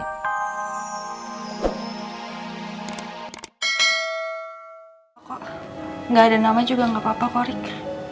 kok ga ada nama juga gapapa kok rik